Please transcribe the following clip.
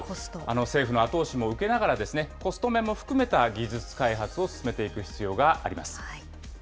政府の後押しも受けながら、コスト面も含めた技術開発を進めていく必要があります。